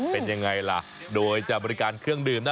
เป็นยังไงล่ะโดยจะบริการเครื่องดื่มนะ